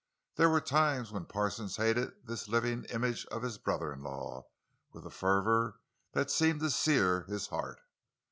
There were times when Parsons hated this living image of his brother in law with a fervor that seemed to sear his heart.